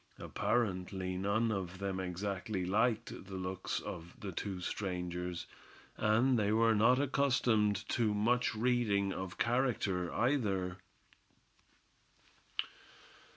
Apparently none of them exactly liked the looks of the two strangers; and they were not accustomed to much reading of character, either.